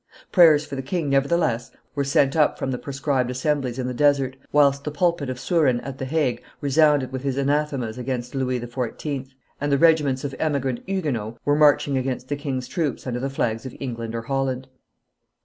Prayers for the king, nevertheless, were sent up from the proscribed assemblies in the desert, whilst the pulpit of Saurin at the Hague resounded with his anathemas against Louis XIV., and the regiments of emigrant Huguenots were marching against the king's troops under the flags of England or Holland.